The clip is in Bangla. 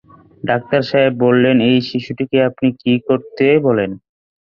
ডাক্তার সাহেব বললেন, এই শিশুটিকৈ আপনি কী করতে বলেন?